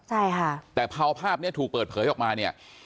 ใช่ค่ะแต่พอภาพเนี้ยถูกเปิดเผยออกมาเนี่ย